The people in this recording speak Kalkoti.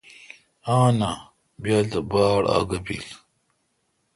آں نا ۔بیال تہ باڑ آگہ بیل۔